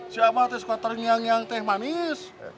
si aba teh suka terngiang ngiang teh manis